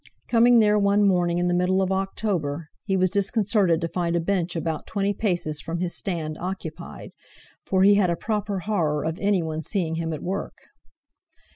Coming there one morning in the middle of October, he was disconcerted to find a bench about twenty paces from his stand occupied, for he had a proper horror of anyone seeing him at work.